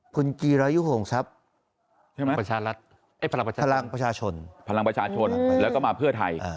คุณจีรายุโหงทรัพย์ใช่ไหมพลังประชาลังประชาชนพลังประชาชนแล้วก็มาเพื่อไทย